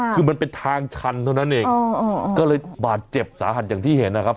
คือมันเป็นทางชันเท่านั้นเองก็เลยบาดเจ็บสาหัสอย่างที่เห็นนะครับ